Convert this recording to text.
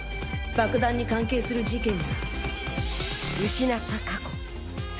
爆弾に関係する事件が。